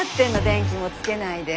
電気もつけないで。